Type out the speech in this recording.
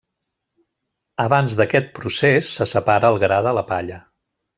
Abans d'aquest procés se separa el gra de la palla.